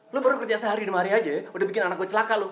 lu baru kerja sehari lima hari aja ya udah bikin anak gue celaka lu